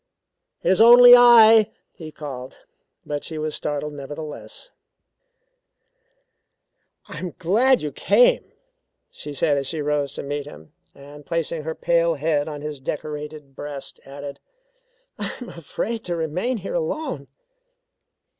"It is only I," he called, but she was startled nevertheless. "I am glad you came," she said as she rose to meet him, and placing her pale head on his decorated breast added "I am afraid to remain here alone."